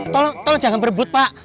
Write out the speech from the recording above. tolong tolong jangan berebut pak